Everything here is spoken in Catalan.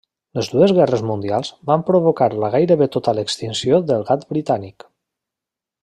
Les dues Guerres Mundials van provocar la gairebé total extinció del gat britànic.